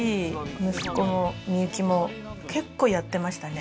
息子も幸も結構やってましたね。